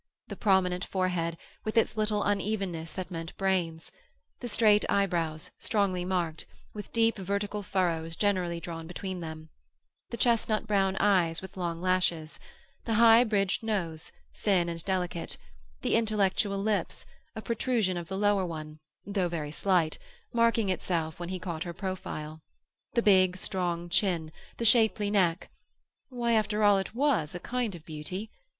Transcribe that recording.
The prominent forehead, with its little unevenness that meant brains; the straight eyebrows, strongly marked, with deep vertical furrows generally drawn between them; the chestnut brown eyes, with long lashes; the high bridged nose, thin and delicate; the intellectual lips, a protrusion of the lower one, though very slight, marking itself when he caught her profile; the big, strong chin; the shapely neck—why, after all, it was a kind of beauty.